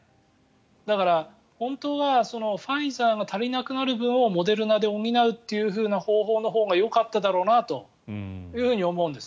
だから、本当はファイザーの足りなくなる分をモデルナで補うという方法のほうがよかっただろうなと思うんです。